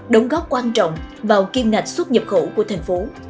đóng góp quan trọng vào kiêm ngạch xuất nhập khẩu của thành phố